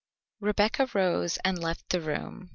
Rebecca rose and left the room.